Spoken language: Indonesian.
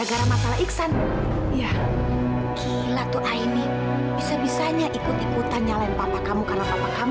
sampai jumpa di video selanjutnya